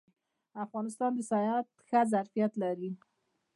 افغانستان د سیاحت ښه ظرفیت لري